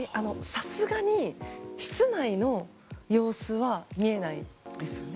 さすがに室内の様子は見えないですよね？